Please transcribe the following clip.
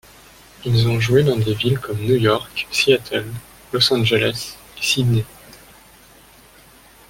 Ils ont joué dans des villes comme New York, Seattle, Los Angeles et Sydney.